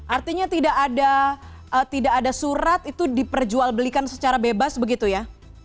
artinya tidak ada surat itu diperjualbelikan secara bebas begitu ya